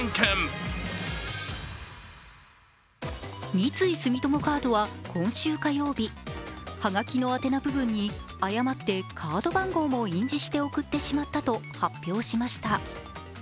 三井住友カードは今週火曜日、はがきの宛名部分に誤ってカード番号も印字して送ってしまったと発表しました。